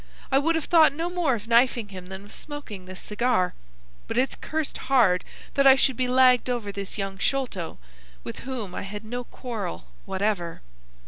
I would have thought no more of knifing him than of smoking this cigar. But it's cursed hard that I should be lagged over this young Sholto, with whom I had no quarrel whatever."